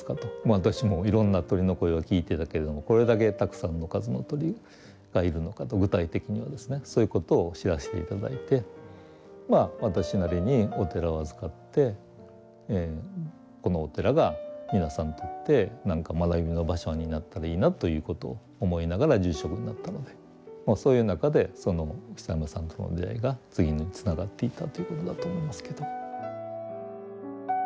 私もいろんな鳥の声は聞いていたけれどもこれだけたくさんの数の鳥がいるのかと具体的にはですねそういうことを知らせて頂いて私なりにお寺を預かってこのお寺が皆さんにとって何か学びの場所になったらいいなということを思いながら住職になったのでそういう中で久山さんとの出会いが次につながっていったということだと思いますけど。